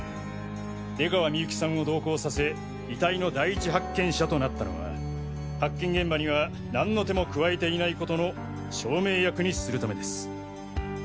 出川みゆきさんを同行させ遺体の第一発見者となったのは発見現場には何の手も加えていないことの証明役にするためです。